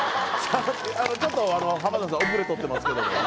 ちょっと浜田さん遅れとってますけども。